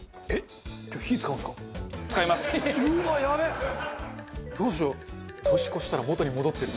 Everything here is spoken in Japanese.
えっ？